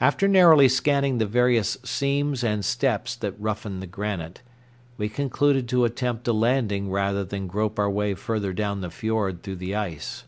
After narrowly scanning the various seams and steps that roughened the granite, we concluded to attempt a landing rather than grope our way farther down the fiord through the ice.